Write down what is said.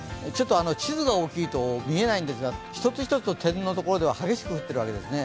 地図が大きいと見えないんですが一つ一つの点のところでは激しく降っているわけですね。